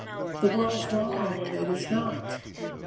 The world's wrong when it is not."